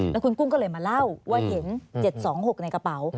แล้วคุณกุ้งก็เลยมาเล่าว่าเห็น๗๒๖ในกระเป๋า